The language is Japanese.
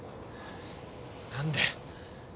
何で？